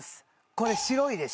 これ白いでしょ